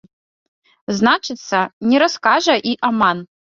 Значыцца, не раскажа і аман.